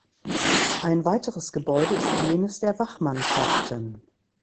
Ein weiteres Gebäude ist jenes der Wachmannschaften.